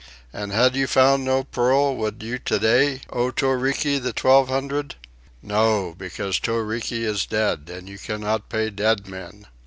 And had you found no pearl, would you today owe Toriki the twelve hundred? No, because Toriki is dead, and you cannot pay dead men."